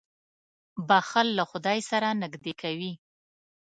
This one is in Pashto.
• بښل له خدای سره نېږدې کوي.